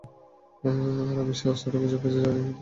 আর আমি সেই অস্ত্রটা খুঁজে পেয়েছি, যা দিয়ে আমি তাকে হত্যা করবো।